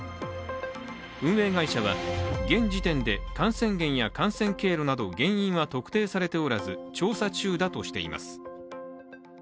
運営会社は、現時点で感染源など感染経路など原因は特定されておらず、調査中だとしています。